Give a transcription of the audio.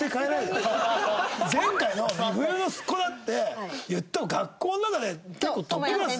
前回の美冬のあそこだって言っても学校の中で結構トップクラスだよ。